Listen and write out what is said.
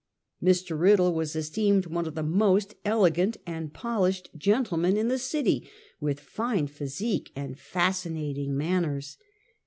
Mr. Riddle was esteemed one of the most elegant and polished gentlemen in the city, with fine physique and fascinating manners.